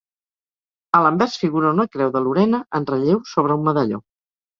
A l'anvers figura una creu de Lorena en relleu sobre un medalló.